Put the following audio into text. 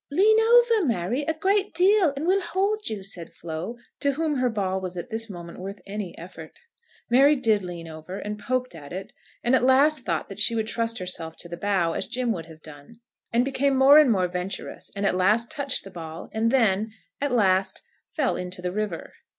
"Lean over, Mary, a great deal, and we'll hold you," said Flo, to whom her ball was at this moment worth any effort. Mary did lean over, and poked at it, and at last thought that she would trust herself to the bough, as Jim would have done, and became more and more venturous, and at last touched the ball, and then, at last, fell into the river!